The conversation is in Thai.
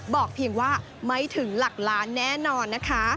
บอกเพียงว่าไม่ถึงหลักล้านแน่นอนนะคะ